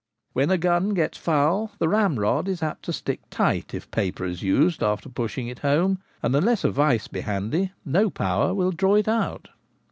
When a gun gets foul the ramrod is apt to stick tight if paper is used after pushing it home, and unless a vice be handy no power will draw it out.